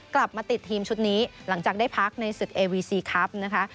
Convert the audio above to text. กลับมาติดทีมชุดนี้หลังจากได้พักในศึกเอวีซีครับนะคะ